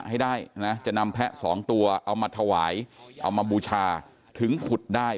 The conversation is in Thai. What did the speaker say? ให้ได้นะจะนำแพะสองตัวเอามาถวายเอามาบูชาถึงขุดได้